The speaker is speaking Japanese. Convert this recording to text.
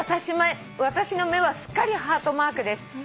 「私の目はすっかりハートマークです」